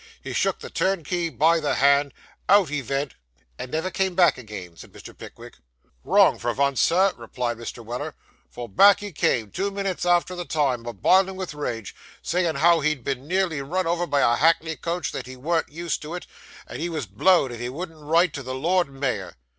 He shook the turnkey by the hand; out he vent ' 'And never came back again,' said Mr. Pickwick. 'Wrong for vunce, sir,' replied Mr. Weller, 'for back he come, two minits afore the time, a bilin' with rage, sayin' how he'd been nearly run over by a hackney coach that he warn't used to it; and he was blowed if he wouldn't write to the lord mayor.